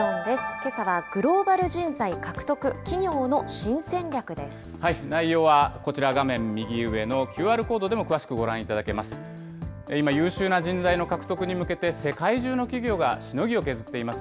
けさはグローバル人材獲得、内容はこちら、画面右上のＱＲコードでも詳しくご覧いただけます。